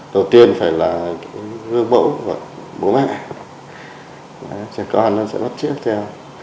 đầu tiên phải là gương mẫu bố mẹ trẻ con nó sẽ bắt chết theo